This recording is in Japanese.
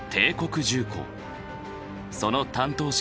その担当者